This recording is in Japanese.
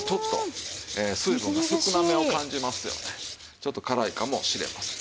ちょっと辛いかもしれません。